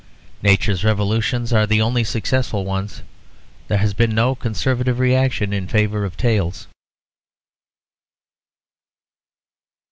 Nature's revolutions are the only successful ones. There has been no conservative reaction in favour of tails."